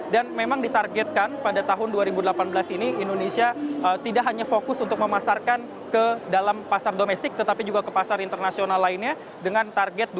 dan memang ditargetkan pada tahun dua ribu delapan belas ini indonesia tidak hanya fokus untuk memasarkan ke dalam pasar domestik tetapi juga ke pasar internasional lainnya dengan target dua ratus lima puluh ribu